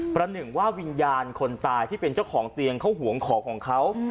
หนึ่งว่าวิญญาณคนตายที่เป็นเจ้าของเตียงเขาห่วงของของเขา